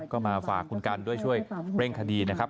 ก็มาฝากคุณกันด้วยช่วยเร่งคดีนะครับ